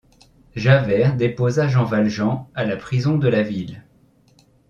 Javert déposa Jean Valjean à la prison de la ville.